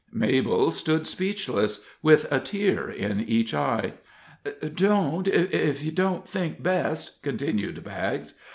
Mabel stood speechless, with a tear in each eye. "Don't, if you don't think best," continued Baggs.